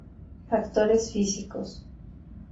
Factores físicos.